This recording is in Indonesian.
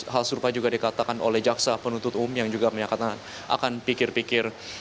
hal serupa juga dikatakan oleh jaksa penuntut umum yang juga menyatakan akan pikir pikir